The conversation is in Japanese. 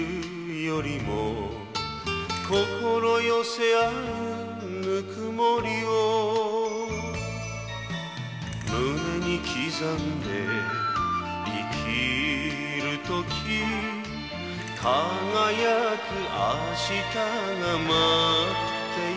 「心寄せ合うぬくもりを胸に刻んで生きる時」「輝くあしたが待っている」